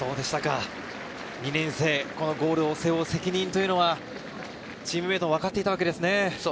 ２年生ゴールを背負う責任というのはチームメートは分かっていたわけですね。